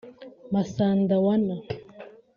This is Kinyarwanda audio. “Masandawana”